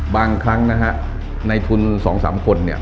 บางครั้งในทุน๒๓คน